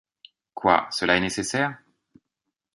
Quoi, cela est nécessaire?